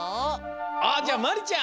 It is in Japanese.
あじゃあまりちゃん。